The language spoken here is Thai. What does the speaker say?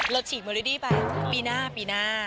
รถฉีกโมริดี้ไปปีหน้า